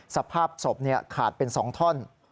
สภาพศพขาดเป็น๒ท่อน